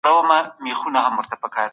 تاسو په ښه ذهنیت سره د نورو ملاتړ کوئ.